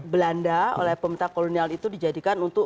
belanda oleh pemerintah kolonial itu dijadikan untuk